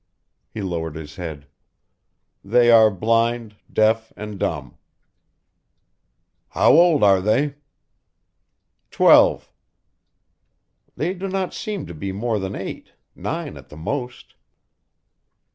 He lowered his head. "They are blind, deaf, and dumb." "How old are they?" "Twelve." "They do not seem to be more than eight nine at the most."